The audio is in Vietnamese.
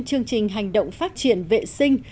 chương trình hành động phát triển vệ sinh